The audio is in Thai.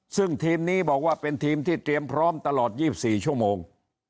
ซึ่งทีมนี้บอกว่าเป็นทีมที่เตรียมพร้อมตลอด๒๔ชั่วโมง